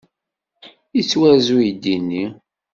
Yettwarez uydi-nni?